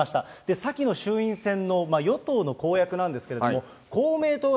先の衆院選の与党の公約なんですけれども、公明党は